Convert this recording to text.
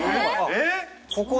えっ？